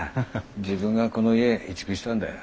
自分がこの家移築したんだよ。